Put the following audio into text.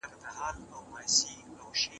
انټرنېټ د معلوماتو شریکول ګړندي او اسانه کوي.